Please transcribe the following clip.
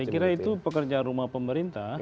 saya kira itu pekerjaan rumah pemerintah